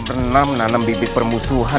berenam nanam bibit permusuhan